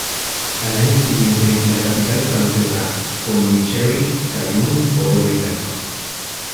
Al año siguiente la capital francesa, Pondicherry cayó en poder británico.